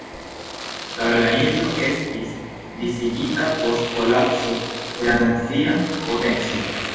La organizo estis disigita post kolapso de la nazia potenco.